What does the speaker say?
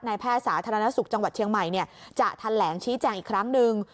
แพทย์สาธารณสุขจังหวัดเชียงใหม่จะแถลงชี้แจงอีกครั้งหนึ่ง